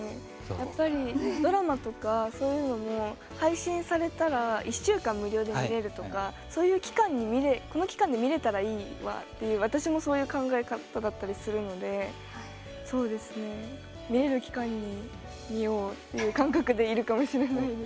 やっぱりドラマとかそういうのも配信されたら１週間無料で見れるとかそういう期間に、この期間に見れたらいいわっていう、私もそういう考え方だったりするのでそうですね、見れる期間に見ようっていう感覚でいるかもしれないです。